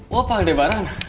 wah pak ada barang